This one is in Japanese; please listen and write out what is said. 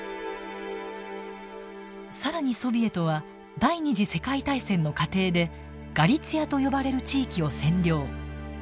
更にソビエトは第二次世界大戦の過程でガリツィアと呼ばれる地域を占領。